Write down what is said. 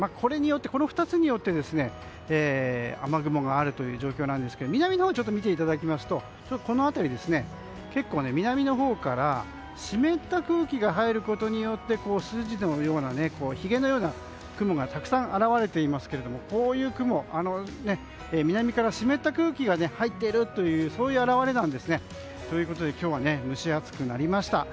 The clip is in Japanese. この２つによって雨雲があるという状況ですが南のほうを見ていただくと結構、南のほうから湿った空気が入ることによって筋のような、ひげのような雲がたくさん現れていますがこういう雲は南から湿った空気が入っているそういう表れなんですね。ということで今日は蒸し暑くなりました。